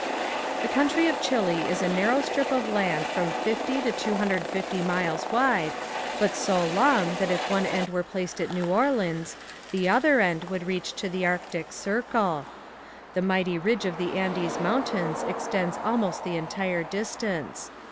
The country of Chile is a narrow strip of land from fifty to two hundred and fifty miles wide, but so long that if one end were placed at New Orleans the other end would reach to the Arctic Circle. The mighty ridge of the Andes mountains extends almost the entire distance.